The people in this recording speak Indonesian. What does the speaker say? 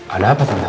ada apa tante